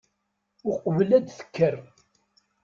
Uqbel ad tekker.